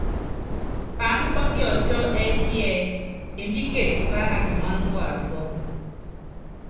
Paáná pɔ́ kiɔtiɔ ɛ́pí ɛɛ: Embíke tipa andiman waasɔ.